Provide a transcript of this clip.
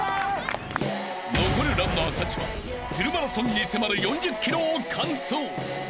［残るランナーたちはフルマラソンに迫る４０ｋｍを完走］